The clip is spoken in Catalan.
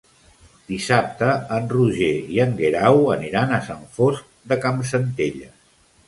Dissabte en Roger i en Guerau aniran a Sant Fost de Campsentelles.